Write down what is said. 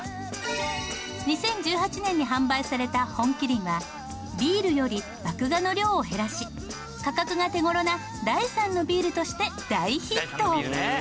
２０１８年に販売された本麒麟はビールより麦芽の量を減らし価格が手頃な第３のビールとして大ヒット。